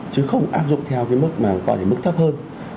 chứ không áp dụng theo cái mức mà gọi là mức thấp hơn